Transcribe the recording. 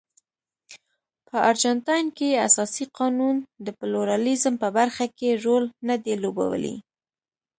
په ارجنټاین کې اساسي قانون د پلورالېزم په برخه کې رول نه دی لوبولی.